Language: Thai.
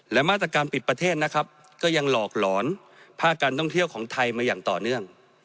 และมาตรการปิดประเทศนะครับก็ยังหลอกหลอนภาคการท่องเที่ยวของไทยมาอย่างต่อเนื่อง